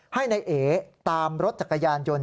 ให้นายเอ๋ตามรถจักรยานยนต์